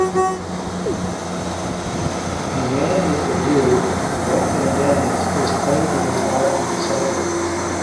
A man with a beard and white bandannas is playing the guitar on the sidewalk.